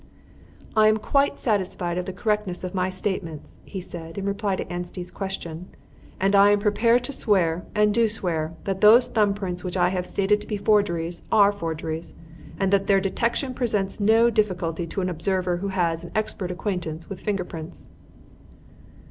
"I am quite satisfied of the correctness of my statements," he said, in reply to Anstey's question, "and I am prepared to swear, and do swear, that those thumb prints which I have stated to be forgeries, are forgeries, and that their detection presents no difficulty to an observer who has an expert acquaintance with finger prints."